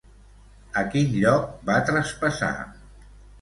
A quin lloc va traspassar?